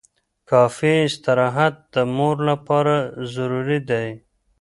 کافي استراحت د مور لپاره ضروري دی.